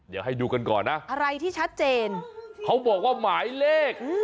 เดี๋ยวให้ดูกันก่อนนะอะไรที่ชัดเจนเขาบอกว่าหมายเลข